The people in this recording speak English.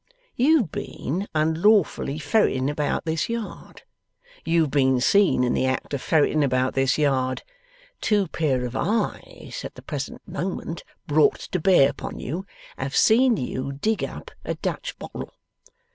You've been unlawfully ferreting about this yard. You've been seen in the act of ferreting about this yard. Two pair of eyes at the present moment brought to bear upon you, have seen you dig up a Dutch bottle.